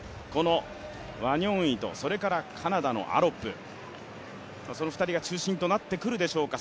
ワニョンイとカナダのアロップその２人が中心となってくるでしょうか。